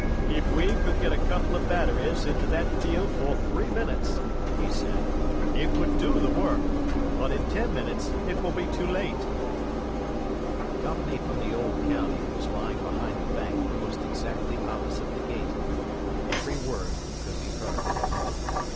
"If we could get a couple of batteries into that field for three minutes," he said, "it would do the work, but in ten minutes it will be too late." The company from the old county was lying behind the bank almost exactly opposite the gate, and every word could be heard.